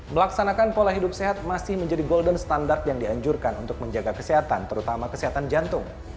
melaksanakan pola hidup sehat masih menjadi golden standard yang dianjurkan untuk menjaga kesehatan terutama kesehatan jantung